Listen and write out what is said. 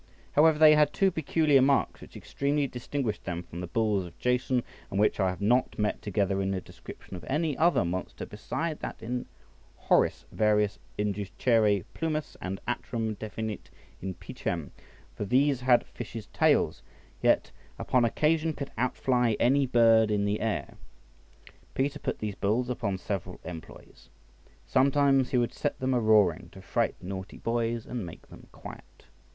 However, they had two peculiar marks which extremely distinguished them from the bulls of Jason, and which I have not met together in the description of any other monster beside that in Horace, "Varias inducere plumas," and "Atrum definit in piscem." For these had fishes tails, yet upon occasion could outfly any bird in the air. Peter put these bulls upon several employs. Sometimes he would set them a roaring to fright naughty boys and make them quiet.